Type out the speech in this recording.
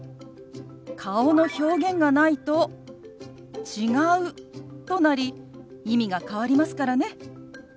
顔の表現がないと「違う」となり意味が変わりますからね。